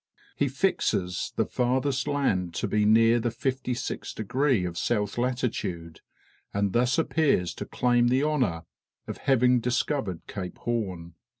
He fixes the farthest land to be near the fifty sixth degree of south latitude, and thus appears to claim the honor of having discovered Cape Horn.